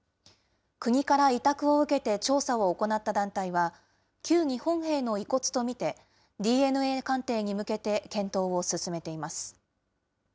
国から委託を受けて調査を行った団体は、旧日本兵の遺骨と見て、ＤＮＡ鑑定に向けて検討を進めています。